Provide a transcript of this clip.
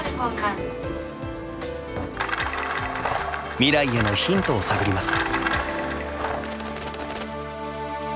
未来へのヒントを探ります。